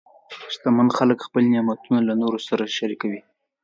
شتمن خلک خپل نعمتونه له نورو سره شریکوي.